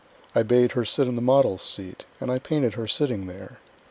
I bade her sit in the model's seat And I painted her sitting there.